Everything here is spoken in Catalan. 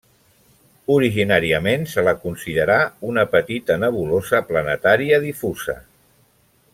Originàriament se la considerà una petita nebulosa planetària difusa.